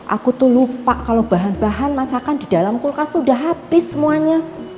aku tuh lupa kalau bahan bahan masakan di dalam kulkas tuh udah habis semuanya